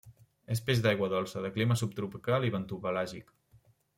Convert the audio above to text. És un peix d'aigua dolça, de clima subtropical i bentopelàgic.